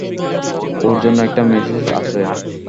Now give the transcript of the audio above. ওর জন্য একটা মেসেজ আছে।